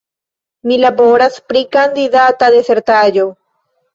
Mi laboras pri kandidata disertaĵo.